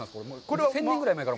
１０００年ぐらい前から？